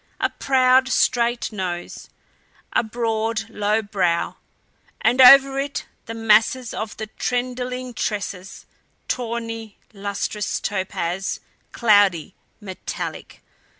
A proud, straight nose; a broad low brow, and over it the masses of the tendriling tresses tawny, lustrous topaz, cloudy, METALLIC.